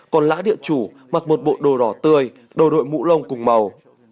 còn lá địa chủ mặc một bộ đồ đỏ tươi đồ đội mũ lông cùng màu